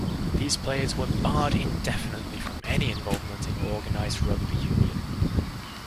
These players were barred indefinitely from any involvement in organised rugby union.